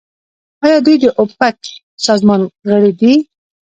آیا دوی د اوپک سازمان غړي نه دي؟